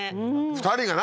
２人が何？